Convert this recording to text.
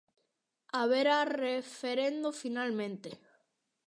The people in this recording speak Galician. Haberá referendo finalmente?